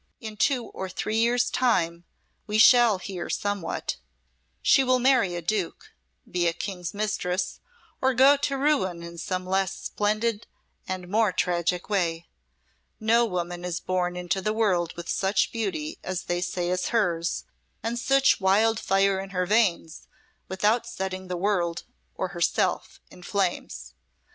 "In two or three years' time we shall hear somewhat. She will marry a duke be a King's mistress, or go to ruin in some less splendid and more tragic way. No woman is born into the world with such beauty as they say is hers, and such wild fire in her veins, without setting the world or herself in flames.